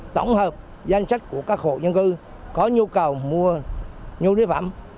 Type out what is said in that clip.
tổng hợp danh sách của các khu dân cư có nhu cầu mua nhu nguyên phẩm